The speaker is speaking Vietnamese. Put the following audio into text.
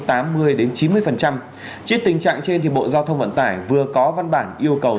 trước tình trạng trên bộ giao thông vận tải vừa có văn bản yêu cầu